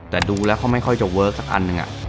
แต่ดูแล้วเขาไม่ค่อยจะเวิร์คสักอันหนึ่ง